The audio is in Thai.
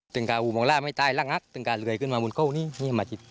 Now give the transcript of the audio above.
ถึงกับอุบองร่าไม่ตายล่างหักถึงกับเหลือยขึ้นมาบนโค้งนี้นี่มาจิด